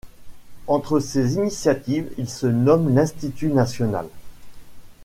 Entre ces initiatives il se nomme l'Institut National.